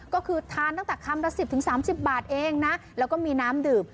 ก็คือทานตั้งแต่คำละ๑๐๓๐บาทเองนะแล้วก็มีน้ำดื่ม